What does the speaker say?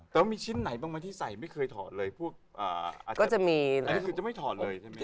แต่มีชิ้นไหนบางทีที่ใส่ไม่เคยถอนเลย